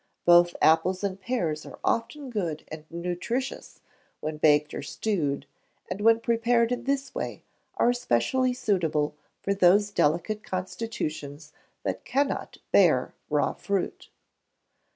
Both apples and pears are often good and nutritious when baked or stewed, and when prepared in this way are especially suitable for those delicate constitutions that cannot bear raw fruit.